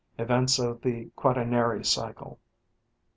Events of the Quaternary cycle.